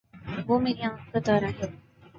وہ میری آنکھ کا تارا ہے